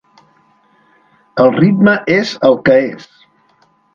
El ritme és el que és.